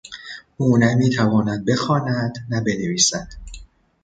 او نه میتواند بخواند نه بنویسد.